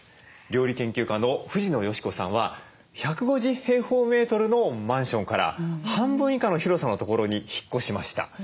料理研究家の藤野嘉子さんは１５０のマンションから半分以下の広さの所に引っ越しました。